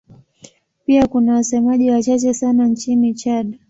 Pia kuna wasemaji wachache sana nchini Chad.